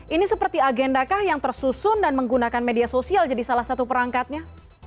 ini seperti agendakah yang tersusun dan menggunakan media sosial jadi salah satu perangkatnya